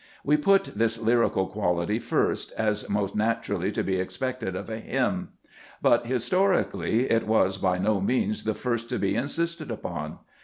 We put this lyrical quality first, as most naturally to be expected of a hymn. But, historically, it was by no means the first to be insisted upon.